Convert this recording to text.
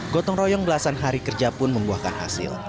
gotong royong belasan hari kerja pun membuahkan hasil